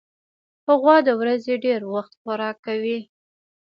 غوا د ورځې ډېری وخت خوراک کوي.